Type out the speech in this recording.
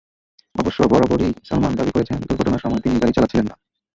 অবশ্য বরাবরই সালমান দাবি করেছেন, দুর্ঘটনার সময় তিনি গাড়ি চালাচ্ছিলেন না।